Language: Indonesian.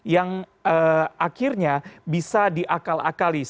yang akhirnya bisa dilakukan oleh kpk